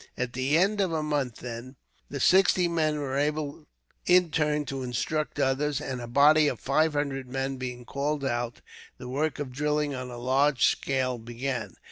At the end of a month, then, the sixty men were able in turn to instruct others; and, a body of five hundred men being called out, the work of drilling on a large scale began.